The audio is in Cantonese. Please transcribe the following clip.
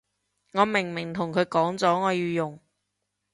我明明同佢講咗我要用